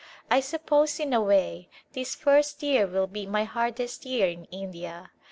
I suppose, in a way, this first year will be my hardest year in India.